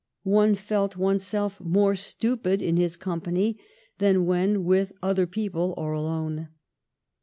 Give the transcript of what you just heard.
" One felt one self more stupid in his company than when with other people or alone."